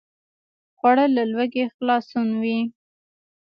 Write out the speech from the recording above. خوړل له لوږې خلاصون وي